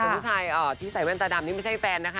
ส่วนผู้ชายที่ใส่แว่นตาดำนี่ไม่ใช่แฟนนะคะ